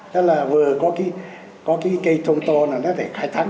thế là vừa có cái cây thông to là nó để khai thác nữa